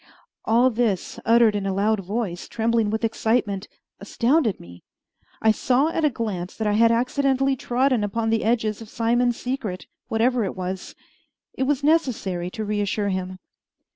All this, uttered in a loud voice, trembling with excitement, astounded me. I saw at a glance that I had accidentally trodden upon the edges of Simon's secret, whatever it was. It was necessary to reassure him.